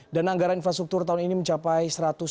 dan anggaran infrastruktur tahun ini mencapai